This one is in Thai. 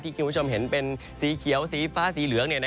คุณผู้ชมเห็นเป็นสีเขียวสีฟ้าสีเหลือง